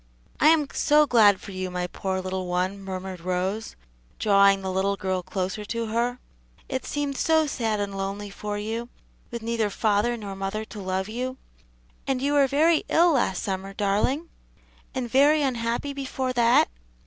"I am so glad for you, my poor little one," murmured Rose, drawing the little girl closer to her. "It seemed so sad and lonely for you, with neither father nor mother to love you. And you were very ill last summer, darling? and very unhappy before that?